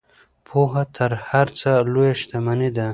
پوهه تر هر څه لویه شتمني ده.